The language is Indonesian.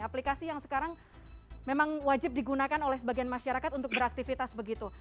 aplikasi yang sekarang memang wajib digunakan oleh sebagian masyarakat untuk beraktivitas begitu